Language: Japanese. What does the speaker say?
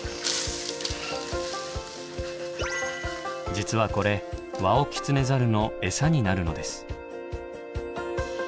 実はこれワオキツネザルのエサになるのです。